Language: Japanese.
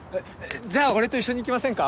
じゃあ俺と一緒に行きませんか？